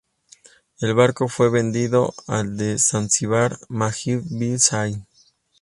El barco fue vendido al de Zanzíbar, Majid bin Said.